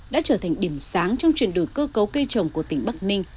đã trở thành điểm sáng trong chuyển đổi cơ cấu cây trồng của tỉnh bắc ninh